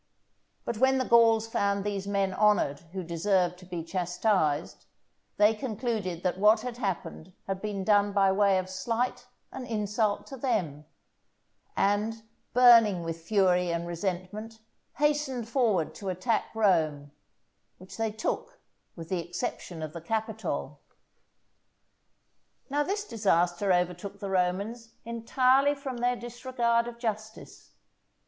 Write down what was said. But when the Gauls found these men honoured who deserved to be chastised, they concluded that what had happened had been done by way of slight and insult to them, and, burning with fury and resentment, hastened forward to attack Rome, which they took with the exception of the Capitol. Now this disaster overtook the Romans entirely from their disregard of justice.